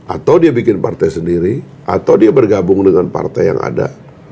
atau dia bikin partai sendiri atau dia bergabung dengan partai yang ada